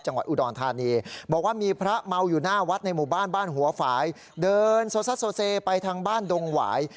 จังหวัดอุดรธานีเดินโซศัตโซเซไปทางบ้านดงหวาย